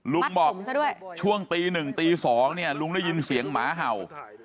ลุงบอกช่วงตี๑ตี๒เนี่ยลุงได้ยินเสียงหมาเห่า